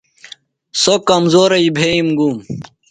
سوۡ کمزورئی بھئیم گُوم۔